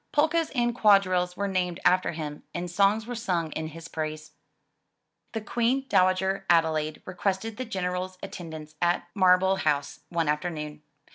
Polkas and quadrilles were named after him and songs were sung in his praise. The Queen Dowager Adelaide requested the General's attend ance at Marlborough House one afternoon.